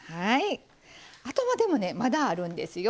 あとはでもねまだあるんですよ。